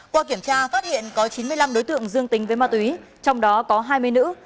qua kiểm tra phát hiện có chín mươi năm đối tượng dương tình với ma túy trong đó có hai mươi nữ